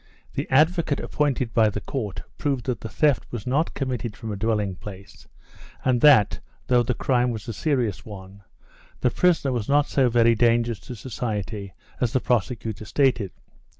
The advocate appointed by the Court proved that the theft was not committed from a dwelling place, and that, though the crime was a serious one, the prisoner was not so very dangerous to society as the prosecutor stated.